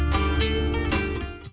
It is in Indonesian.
terima kasih pak kei